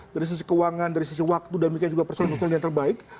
dari sisi keuangan dari sisi waktu dan demikian juga persoalan persoalan yang terbaik